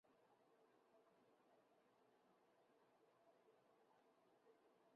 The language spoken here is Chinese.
提督旗移于靖远。